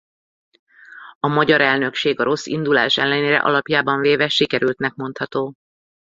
A magyar elnökség a rossz indulás ellenére alapjában véve sikerültnek mondható.